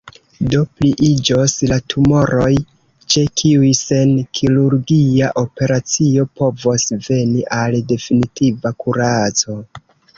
Do pliiĝos la tumoroj, ĉe kiuj sen kirurgia operacio povos veni al definitiva kuraco.